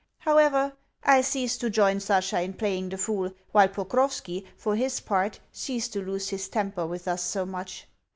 However, I ceased to join Sasha in playing the fool, while Pokrovski, for his part, ceased to lose his temper with us so much.